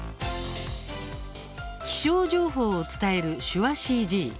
「気象情報」を伝える手話ＣＧ。